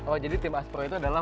oh jadi tim aspro itu adalah